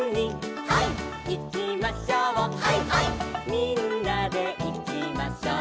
「みんなでいきましょう」